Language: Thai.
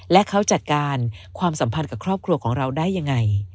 และเขาจัดการความสัมพันธ์กับครอบครัวของเราได้ยังไง